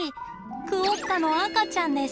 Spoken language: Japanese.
クオッカの赤ちゃんです。